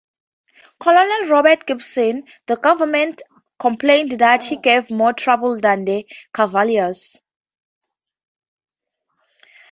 Colonel Robert Gibbon, the governor, complained that he gave more trouble than ten cavaliers.